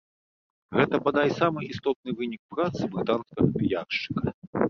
Гэта, бадай, самы істотны вынік працы брытанскага піяршчыка.